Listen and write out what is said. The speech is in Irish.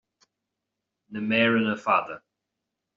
Na méireanna fada